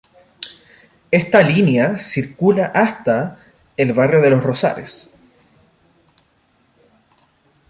Esta línea circula hasta el Barrio de los Rosales.